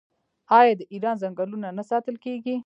آیا د ایران ځنګلونه نه ساتل کیږي؟